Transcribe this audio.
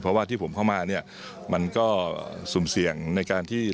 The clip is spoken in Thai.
เพราะว่าที่ผมเข้ามาเนี่ยมันก็สุ่มเสี่ยงในการที่